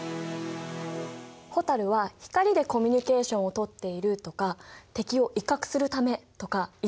蛍は光でコミュニケーションを取っているとか敵を威嚇するためとかいろいろな説があるんだ。